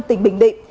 tỉnh bình định